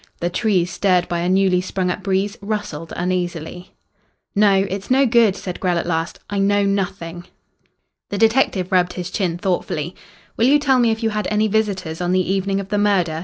The trees, stirred by a newly sprung up breeze, rustled uneasily. "No, it's no good," said Grell at last. "I know nothing." The detective rubbed his chin thoughtfully. "Will you tell me if you had any visitors on the evening of the murder?"